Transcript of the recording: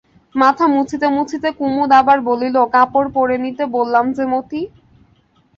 মাথা মুছিতে মুছিতে কুমুদ আবার বলিল, কাপড় পরে নিতে বললাম যে মতি!